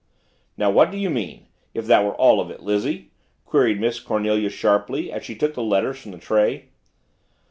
"Now what do you mean if that were all of it, Lizzie?" queried Miss Cornelia sharply as she took her letters from the tray.